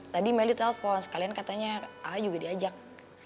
tadi meli telepon sekalian katanya a juga diajak